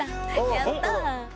やった。